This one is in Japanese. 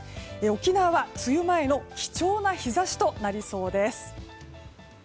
沖縄は梅雨前の貴重な日差しとなりそうです。